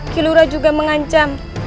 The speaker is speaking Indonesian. kilura juga mengancam